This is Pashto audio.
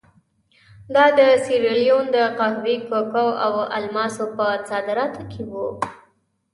دا د سیریلیون د قهوې، کوکو او الماسو په صادراتو کې وو.